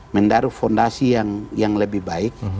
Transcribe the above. mendaruh fondasi yang lebih baik